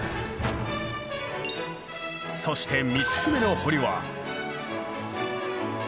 そして３つ目の堀は。